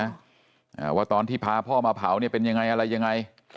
อ่าว่าตอนที่พาพ่อมาเผาเนี่ยเป็นยังไงอะไรยังไง